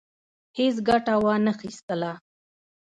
هیڅ ګټه وانه خیستله.